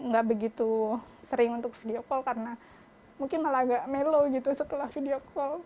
nggak begitu sering untuk video call karena mungkin malah agak melo gitu setelah video call